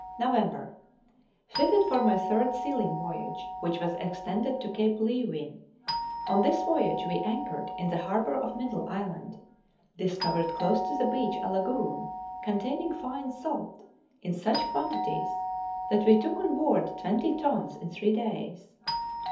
November. Fitted for my third sealing voyage, which was extended to Cape Leeuwin; on this voyage we anchored in the Harbour of Middle Island; discovered close to the beach a lagoon containing fine salt, in such quantities that we took on board 20 tons in three days.